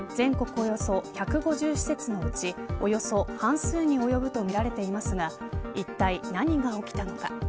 およそ１５０施設のうちおよそ半数に及ぶとみられていますがいったい何が起きたのか。